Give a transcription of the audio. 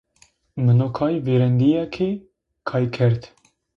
Mı no kay vırêndiye ki kay ked;